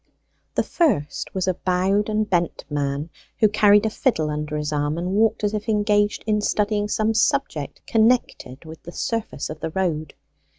The first was a bowed and bent man, who carried a fiddle under his arm, and walked as if engaged in studying some subject connected with the surface of the road.